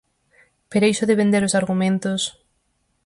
Pero iso de vender os argumentos...